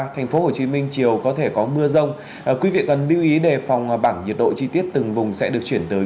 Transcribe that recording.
thành phố hồ chí minh chiều có thể có mưa rông quý vị cần lưu ý đề phòng bảng nhiệt độ chi tiết từng vùng sẽ được chuyển tới